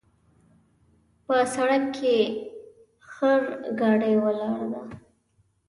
په سړک کې خرګاډۍ ولاړ ده